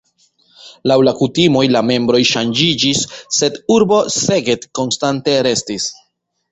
Laŭ la kutimoj la membroj ŝanĝiĝis, sed urbo Szeged konstante restis.